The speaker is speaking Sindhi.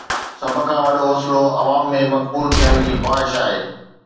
سڀ کان وڏو حوصلو عوام ۾ مقبول ٿيڻ جي خواهش آهي.